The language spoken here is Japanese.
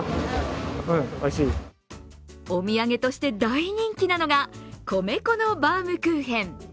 お土産として大人気なのが米粉のバウムクーヘン。